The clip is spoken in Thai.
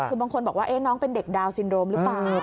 คือบางคนบอกว่าน้องเป็นเด็กดาวนซินโรมหรือเปล่า